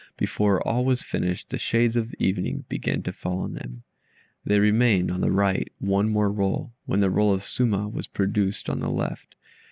Before all was finished the shades of evening began to fall on them. There remained, on the right, one more roll, when the roll of "Suma" was produced on the left.